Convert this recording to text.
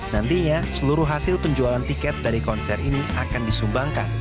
nantinya seluruh hasil penjualan tiket dari konser ini akan disumbangkan